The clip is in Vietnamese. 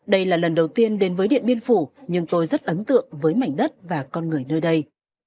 đây là lần đầu tiên đến với điện biên phủ nhưng tôi rất ấn tượng với mảnh đất và con người nơi đây